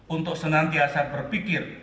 untuk senantiasa berpikir